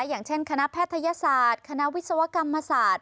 อย่างเช่นคณะแพทยศาสตร์คณะวิศวกรรมศาสตร์